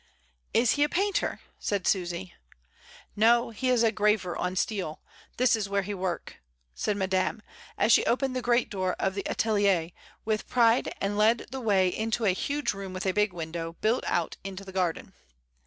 "Is he a painter?" said Susy. "No; he is a graver on steel. This is where he work," said Madame, as she opened the great door of the atelier with pride and led the way into a huge room with a big window, built out into the garden.